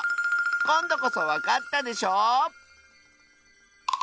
こんどこそわかったでしょ？